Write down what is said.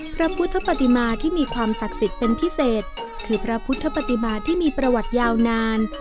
พระพุทธปฏิมาที่มีความศักดิ์สิทธิ์เป็นพิเศษคือพระพุทธปฏิมาที่มีประวัติยาวนาน